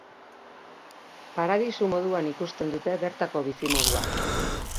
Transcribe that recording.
Paradisu moduan ikusten dute bertako bizimodua.